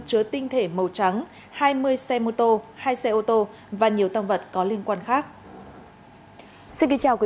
chứa tinh thể màu trắng hai mươi xe mô tô hai xe ô tô và nhiều tăng vật có liên quan khác xin kính chào quý